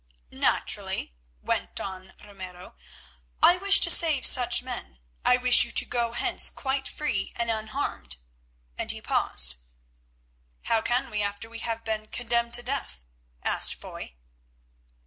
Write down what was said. "Naturally," went on Ramiro, "I wish to save such men, I wish you to go hence quite free and unharmed," and he paused. "How can we after we have been condemned to death?" asked Foy.